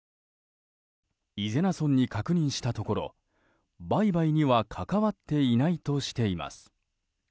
伊是名村に確認したところ売買には関わっていないとしています。